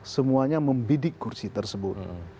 semuanya membidik kursi tersebut